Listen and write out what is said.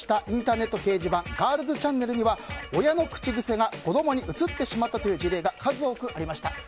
インターネット掲示板ガールズちゃんねるには親の口癖が子供にうつってしまったという事例が数多くありました。